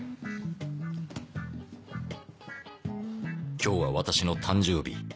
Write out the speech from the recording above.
今日は私の誕生日